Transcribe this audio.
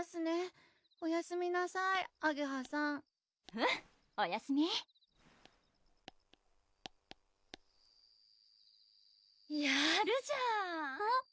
うんおやすみやるじゃん！